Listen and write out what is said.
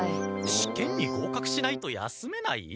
試験にごうかくしないと休めない？